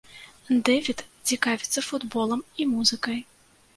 Дэвід цікавіцца футболам і музыкай.